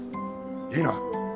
いいな。